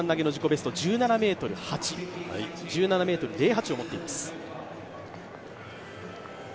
ベスト１７ｍ０８を持っています。